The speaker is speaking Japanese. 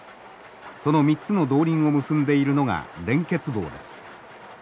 その３つの動輪を結んでいるのが連結棒です。